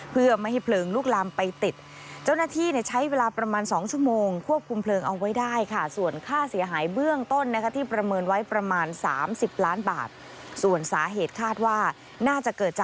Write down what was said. เพื่อไม่ให้เพลิงลุกลามไปติด